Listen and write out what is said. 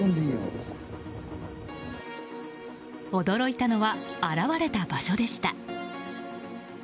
驚いたのは、現れた場所でした。